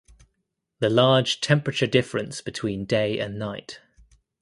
The large temperature difference between day and night.